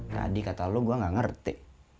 tadi kata lo gue gak ngerti